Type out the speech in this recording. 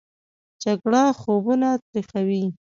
جګړه خویونه تریخوي